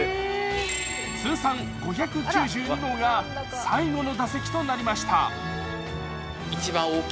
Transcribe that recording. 通算５９２号が最後の打席となりました。